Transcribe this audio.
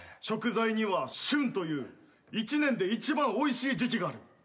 食材には旬という１年で一番おいしい時期がある。